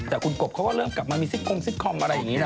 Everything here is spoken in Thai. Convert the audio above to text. แต่คุณกบเขาก็เริ่มกลับมามีซิกคงซิกคอมอะไรอย่างนี้นะ